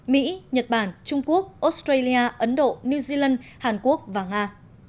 mỹ nhật bản trung quốc australia ấn độ new zealand hàn quốc và nga